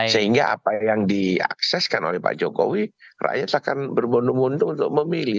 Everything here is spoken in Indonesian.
sehingga apa yang diakseskan oleh pak jokowi rakyat akan berbondong bondong untuk memilih